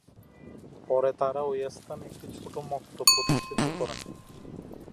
পরে তারা ঐ স্থানে একটি ছোট "মক্তব" প্রতিষ্ঠিত করেন।